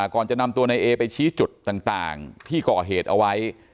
ก่อนจะนำตัวนายเอไปชี้จุดต่างที่ก่อเหตุเอาไว้